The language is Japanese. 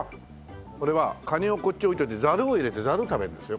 これはカニをこっちに置いておいてザルを入れてザル食べるんですよ